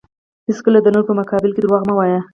هیڅکله د نورو په مقابل کې دروغ مه وایه.